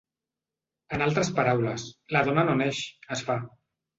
En altres paraules: la dona no neix, es fa.